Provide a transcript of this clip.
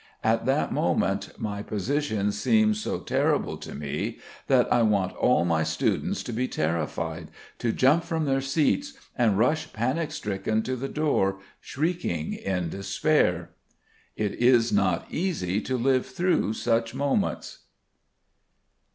At that moment my position seems so terrible to me that I want all my students to be terrified, to jump from their seats and rush panic stricken to the door, shrieking in despair. It is not easy to live through such moments.